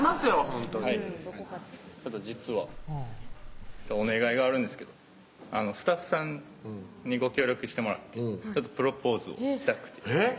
ほんとにはい実はお願いがあるんですけどスタッフさんにご協力してもらってプロポーズをしたくてえっ？